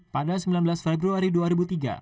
pada sembilan belas februari dua ribu tiga